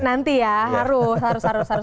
nanti ya harus